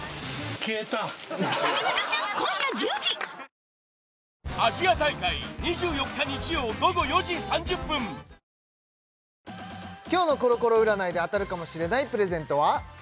「ＷＩＤＥＪＥＴ」今日のコロコロ占いで当たるかもしれないプレゼントは？